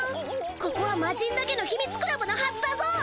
ここはマジンだけの秘密クラブのはずだぞ！？